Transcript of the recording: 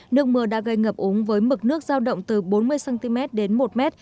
nước mưa đã gây ngập úng với mực nước giao động từ bốn mươi cm đến một m